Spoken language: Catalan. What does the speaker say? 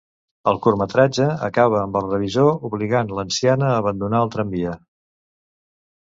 El curtmetratge acaba amb el revisor obligant l'anciana a abandonar el tramvia.